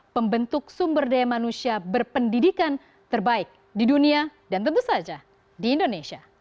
pembentuk sumber daya manusia berpendidikan terbaik di dunia dan tentu saja di indonesia